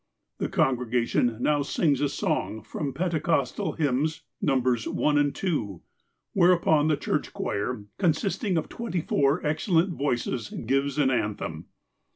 The congregation now sings a soug from Pentecostal Hymns Xos. 1 and 2, whereupon the church choir, consisting of twenty four excellent voices, gives an anthem.